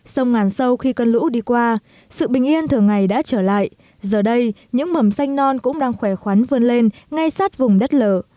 sông ngàn sâu khi cơn lũ đi qua sự bình yên thường ngày đã trở lại giờ đây những mầm xanh non cũng đang khỏe khoắn vươn lên ngay sát vùng đất lở